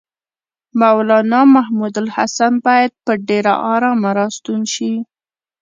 مولنا محمودالحسن باید په ډېره آرامه راستون شي.